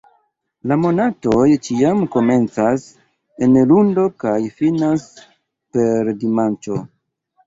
La monatoj ĉiam komencas en lundo kaj finas per dimanĉo.